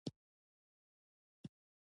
د شېخ اسعد سوري د قصيدې ژبه روانه ده.